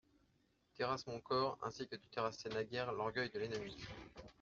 Terrasse mon corps ainsi que tu terrassais naguère l'orgueil de l'ennemi.